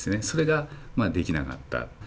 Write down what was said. それができなかった。